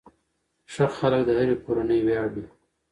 ښه خلک د هرې کورنۍ ویاړ وي.